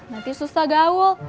nanti susah gaul